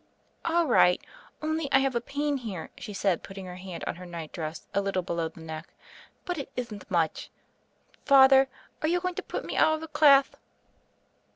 "All right; only I have a pain here," she said, putting her hand on her night dress a little be low the neck. "But it ithn't much. Father : arc you going to put me out of the clath?"